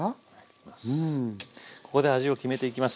ここで味を決めていきます。